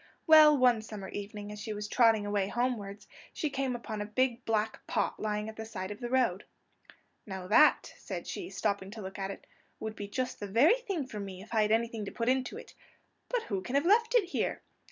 Well, one summer evening as she was trotting away homewards, she came upon a big black pot lying at the side of the road. "Now that," said she, stopping to look at it, "would be just the very thing for me if I had anything to put into it! But who can have left it here?"